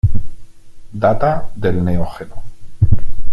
Data del Neógeno.